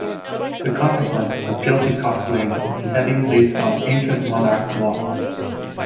The consequence of guilty coxswain is beheading based on ancient monarch law.